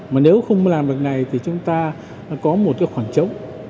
mà nếu không làm được này thì chúng ta có một khoảng trống